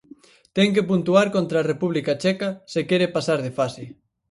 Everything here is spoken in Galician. Ten que puntuar contra a República Checa se quere pasar de fase.